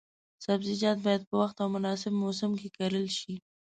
سبزیجات باید په وخت او د مناسب موسم کې کرل شي.